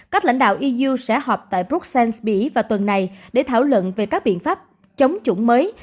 các lãnh đạo yu sẽ họp tại bruxelles mỹ vào tuần này để thảo luận về các biện pháp chống chủng mới